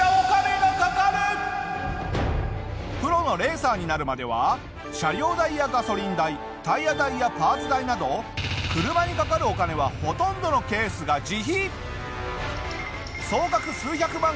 プロのレーサーになるまでは車両代やガソリン代タイヤ代やパーツ代など車にかかるお金はほとんどのケースが自費！